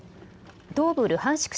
東部ルハンシク